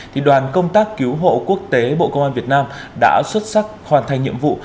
thì đoàn công tác cứu hộ quốc tế bộ công an việt nam đã xuất sắc hoàn thành nhiệm vụ